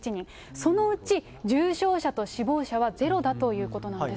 そのうち重症者と死亡者はゼロだということなんです。